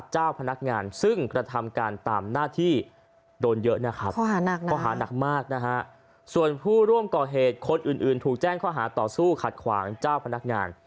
แจ้งข้อหาต่อสู้ขัดขวางเจ้าพนักงาน